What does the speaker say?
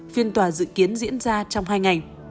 phiên tòa dự kiến diễn ra trong hai ngày